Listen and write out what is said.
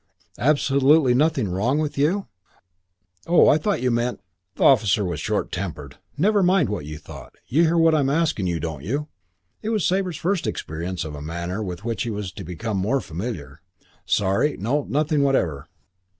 "Absolutely nothing wrong with you?" "Oh, I thought you meant " The officer was short tempered. "Never mind what you thought. You hear what I'm asking you, don't you?" It was Sabre's first experience of a manner with which he was to become more familiar. "Sorry. No, nothing whatever."